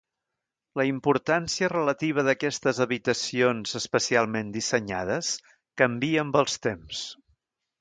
La importància relativa d'aquestes habitacions especialment dissenyades canvia amb els temps.